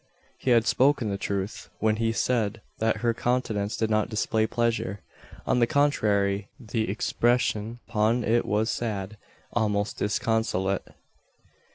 He had spoken the truth, when he said that her countenance did not display pleasure. On the contrary, the expression upon it was sad almost disconsolate.